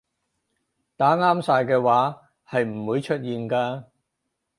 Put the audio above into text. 打啱晒嘅話係唔會出現㗎